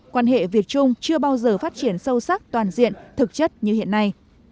quan hệ việt trung chưa bao giờ phát triển sâu sắc toàn diện thực chất như hiện nay